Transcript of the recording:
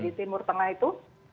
di timur tengah itu